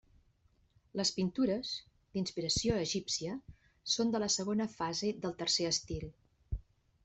Les pintures, d'inspiració egípcia, són de la segona fase del tercer estil.